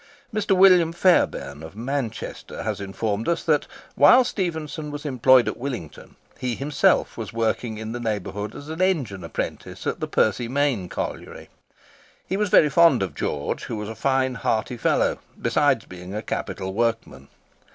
Mr. William Fairbairn of Manchester has informed us that while Stephenson was employed at Willington, he himself was working in the neighbourhood as an engine apprentice at the Percy Main Colliery. He was very fond of George, who was a fine, hearty fellow, besides being a capital workman.